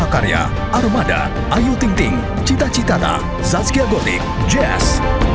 karya armada ayu ting ting cita citata zazkia gotik jazz